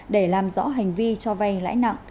để làm rõ hành vi cho vay lãi nặng